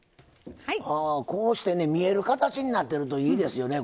こうしてね見える形になってるといいですよね